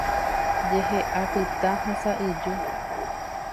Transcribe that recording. Jehe'a pytã ha sa'yju.